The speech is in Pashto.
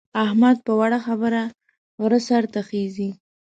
احمد په وړې خبره غره سر ته خېژي.